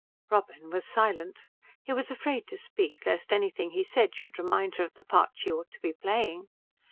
Robin was silent. He was afraid to speak lest anything he said should remind her of the part she ought to be playing.